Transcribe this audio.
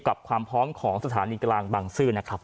ความพร้อมของสถานีกลางบังซื้อนะครับ